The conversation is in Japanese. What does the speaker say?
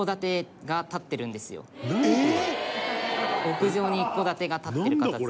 屋上に一戸建てが立ってる形で。